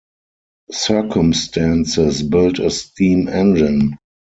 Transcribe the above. Circumstances built a steam engine.